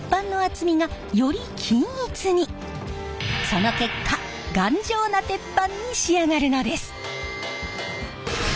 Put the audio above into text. その結果頑丈な鉄板に仕上がるのです！